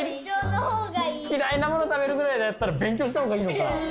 嫌いなもの食べるぐらいだったら勉強したほうがいいのか。